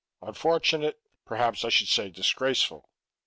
Unfortunate? Perhaps I should say disgraceful.